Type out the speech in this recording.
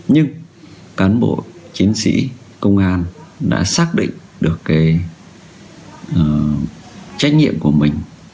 nhưng cán bộ chiến sĩ công an đã xác định được trách nhiệm của mình